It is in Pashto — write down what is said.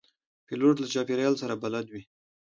پیلوټ له چاپېریال سره بلد وي.